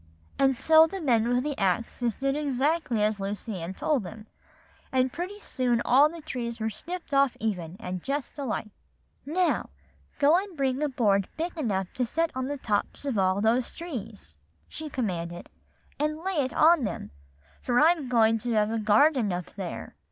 "And so the men with the axes did exactly as Lucy Ann told them; and pretty soon all the trees were snipped off even, and just alike. "'Now go and bring a board big enough to set on the tops of all those trees,' she commanded, 'and lay it on them, for I'm going to have a garden up there.